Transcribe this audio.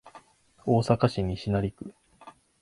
大阪市西成区